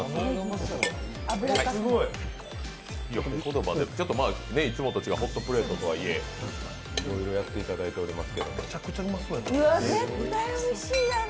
いつもと違うホットプレートとはいえ、いろいろやっていただいています。